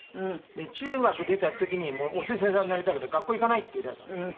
中学出た時に「おすし屋さんになりたいから学校行かない」って言い出したんですよ。